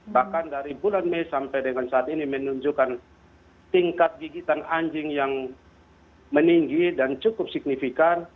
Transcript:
bahkan dari bulan mei sampai dengan saat ini menunjukkan tingkat gigitan anjing yang meninggi dan cukup signifikan